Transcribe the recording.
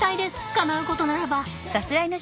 かなうことならば！